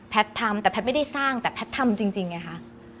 ทำแต่แพทย์ไม่ได้สร้างแต่แพทย์ทำจริงไงคะ